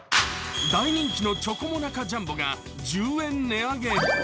大人気のチョコモナカジャンボが１０円値上げ。